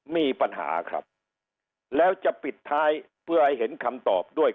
มีปัญหาครับแล้วจะปิดท้ายเพื่อให้เห็นคำตอบด้วย